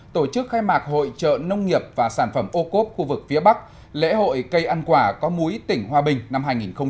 tổ chức khai mạc hội trợ nông nghiệp và sản phẩm ô cốp khu vực phía bắc lễ hội cây ăn quả có múi tỉnh hòa bình năm hai nghìn hai mươi